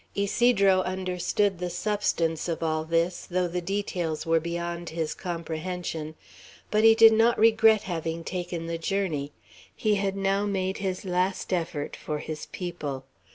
Ysidro understood the substance of all this, though the details were beyond his comprehension. But he did not regret having taken the journey; he had now made his last effort for his people.